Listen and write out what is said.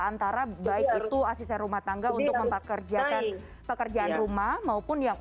antara baik itu asisten rumah tangga untuk mempekerjakan